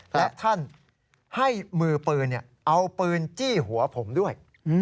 และท่านให้มือปืนเอาปืนจี้หัวผมด้วย